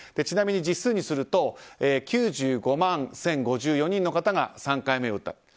ちなみに実数にすると９５万１０５４人の方が３回目を打った。